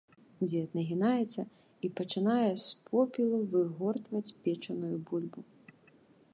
Дзед нагінаецца і пачынае з попелу выгортваць печаную бульбу.